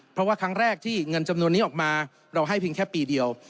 เพราะว่าครั้งแรกที่เงินจำนวนนี้ออกมาเราให้เพียงแค่ปีเดียว